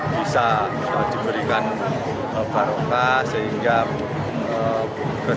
bisa diberikan barokah sehingga